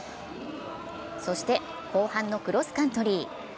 そして後半のクロスカントリー。